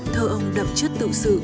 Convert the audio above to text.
thơ ông đọc chất tự sự